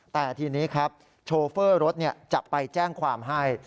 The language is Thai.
แต่ทีนี้ครับโชเฟอร์รถจะไปแจ้งความให้